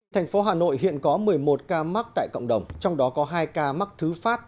thành phố hà nội hiện có một mươi một ca mắc tại cộng đồng trong đó có hai ca mắc thứ phát